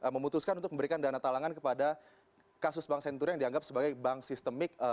memutuskan untuk memberikan dana talangan kepada kasus bank senturi yang dianggap sebagai bank sistemik